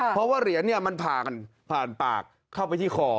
เพราะว่าเหรียญมันผ่านผ่านปากเข้าไปที่คอ